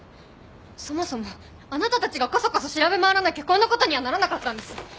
そもそもあなたたちがこそこそ調べ回らなきゃこんなことにはならなかったんです。